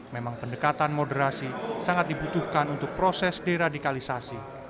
memang pendekatan moderasi sangat dibutuhkan untuk proses deradikalisasi